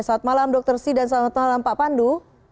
selamat malam dr si dan selamat malam pak pandu